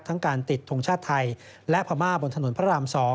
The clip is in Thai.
การติดทงชาติไทยและพม่าบนถนนพระราม๒